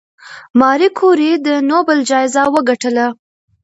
ماري کوري د نوبل جایزه وګټله.